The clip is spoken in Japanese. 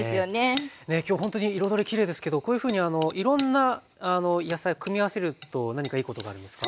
今日ほんとに彩りきれいですけどこういうふうにいろんな野菜組み合わせると何かいいことがあるんですか？